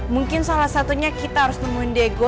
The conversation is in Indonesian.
mungkin salah satunya kita harus nemuin diego